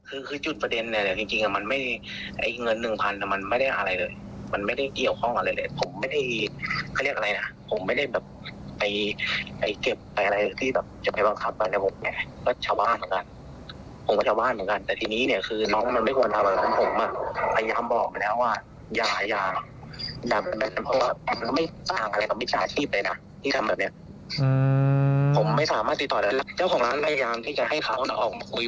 อืมผมไม่สามารถติดต่อด้วยเจ้าของร้านพยายามที่จะให้เขาออกมาคุย